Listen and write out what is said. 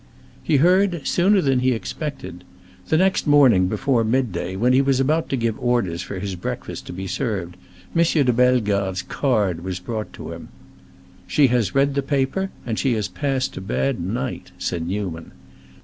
He heard sooner than he expected. The next morning, before midday, when he was about to give orders for his breakfast to be served, M. de Bellegarde's card was brought to him. "She has read the paper and she has passed a bad night," said Newman.